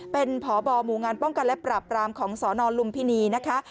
เป็นพบหมู่งานป้องกันและปราบรามของสนลุมพินีนะคะ